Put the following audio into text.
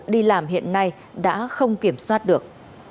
đi làm hiện nay đã không kiểm soát được